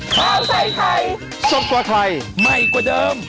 ข้าวใส่ไทยสดกว่าไทยใหม่กว่าเดิม